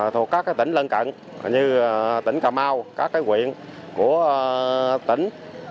thuộc các tỉnh lân cận như tỉnh cà mau các quyện của tỉnh